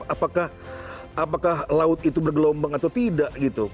apakah laut itu bergelombang atau tidak gitu